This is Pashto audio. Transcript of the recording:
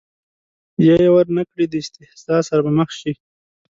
یا یې ور نه کړي د استیضاح سره به مخامخ شي.